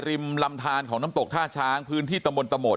ริมลำทานของน้ำตกท่าช้างพื้นที่ตำบลตะโหมด